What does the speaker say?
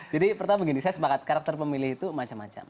jadi pertama begini saya semangat karakter pemilih itu macam macam